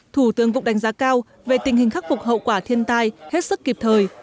thủ tướng cũng đánh giá cao về tình hình khắc phục hậu quả thiên tai hết sức kịp thời